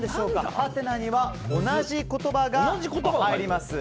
はてなには同じ言葉が入ります。